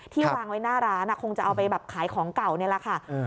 วางไว้หน้าร้านคงจะเอาไปแบบขายของเก่านี่แหละค่ะ